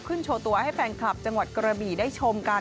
โชว์ตัวให้แฟนคลับจังหวัดกระบี่ได้ชมกัน